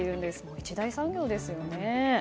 一大産業ですよね。